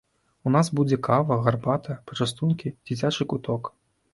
У нас будзе кава, гарбата, пачастункі, дзіцячы куток.